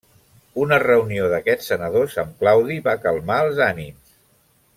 Una reunió d'aquests senadors amb Claudi va calmar els ànims.